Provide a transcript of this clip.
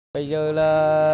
bây giờ là